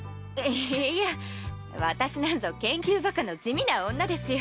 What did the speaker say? いいや私なんぞ研究バカの地味な女ですよ。